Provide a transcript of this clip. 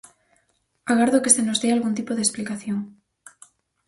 Agardo que se nos dea algún tipo de explicación.